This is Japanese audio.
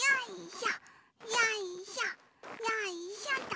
よいしょと。